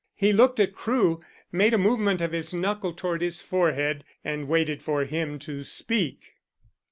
He looked at Crewe, made a movement of his knuckle towards his forehead, and waited for him to speak.